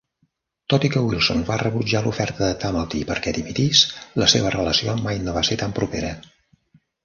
Tot i que Wilson va rebutjar l'oferta de Tumulty perquè dimitís, la seva relació mai no va ser tan propera.